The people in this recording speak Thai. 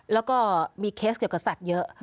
แล้วก็มีเคสเกี่ยวกับสัตว์เยอะ